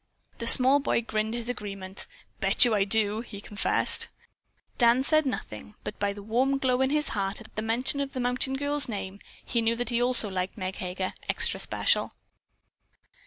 The small boy grinned his agreement. "Bet you I do," he confessed. Dan said nothing, but by the warm glow in his heart at the mention of the mountain girl's name, he knew that he also liked Meg Heger extra special.